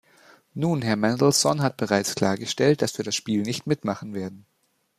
Nun, Herr Mandelson hat bereits klargestellt, dass wir das Spiel nicht mitmachen werden.